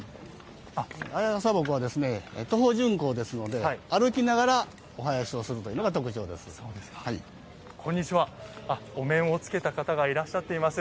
綾傘鉾は徒歩巡行ですので歩きながらお囃子をするのが特徴です。